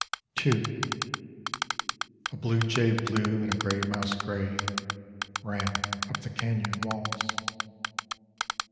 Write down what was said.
2 A bluejay blue and a gray mouse gray ran up the canyon walls.